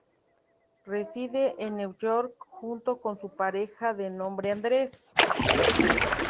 Reside en Nueva York junto con su pareja de nombre Andres.